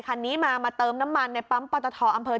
คันนี้มามาเติมน้ำมันในปั๊มปอตทอำเภอ